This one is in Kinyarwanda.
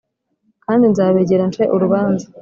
“Kandi nzabegera nce urubanza